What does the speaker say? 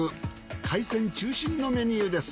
海鮮中心のメニューです。